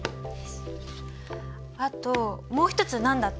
あともう一つ何だった？